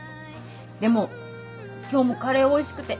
でも今日もカレーおいしくて偉いよ！